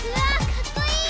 かっこいい！